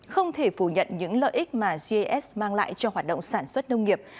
không thể phủ nhận những lợi ích mà gis mang lại cho hoạt động sản xuất nông nghiệp